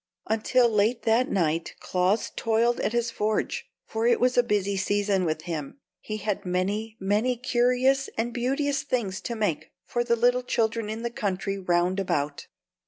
Until late that night Claus toiled at his forge; for it was a busy season with him, and he had many, many curious and beauteous things to make for the little children in the country round about.